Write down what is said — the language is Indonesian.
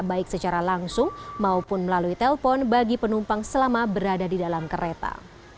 baik secara langsung maupun melalui telepon bagi penumpang selama berada di dalam kereta